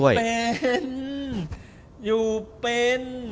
อยู่เป็น